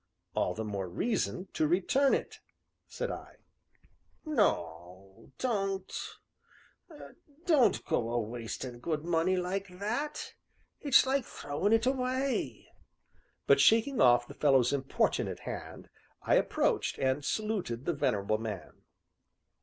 "All the more reason to return it," said I. "No, don't don't go a wasting good money like that it's like throwing it away!" But shaking off the fellow's importunate hand, I approached, and saluted the venerable man.